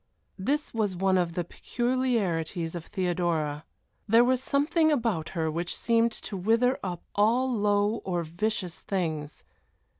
This was one of the peculiarities of Theodora. There was something about her which seemed to wither up all low or vicious things.